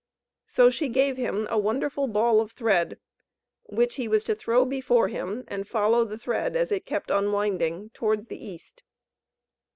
So she gave him a wonderful ball of thread, which he was to throw before him, and follow the thread as it kept unwinding towards the East.